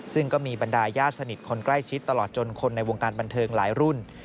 ซึ่งก็มีบรรดายญาติสนิทคนใกล้ชิดตลอดจนคนในวงการบันเทิงหลายรุ่น